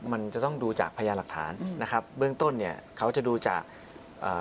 มันจะต้องดูจากพญาหลักฐานอืมนะครับเบื้องต้นเนี่ยเขาจะดูจากอ่า